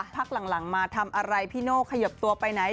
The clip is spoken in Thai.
พักหลังมาทำอะไรพี่โน่ขยบตัวไปไหน